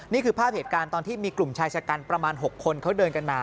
นี่คือภาพเหตุการณ์ตอนที่มีกลุ่มชายชะกันประมาณ๖คนเขาเดินกันมา